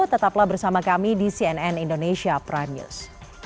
tetaplah bersama kami di cnn indonesia prime news